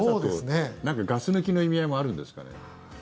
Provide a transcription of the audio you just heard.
ガス抜きの意味合いもあるんですかね？